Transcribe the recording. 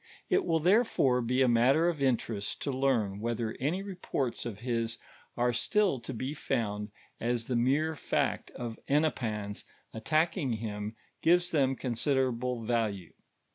It will, therefore, be a matter of interest to learn whether any reports of his are still to be found, as the mere fact of Hennepin's attacking him gives them considerable value.